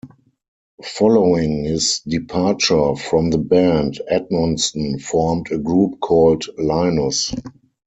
Following his departure from the band, Edmonston formed a group called Linus.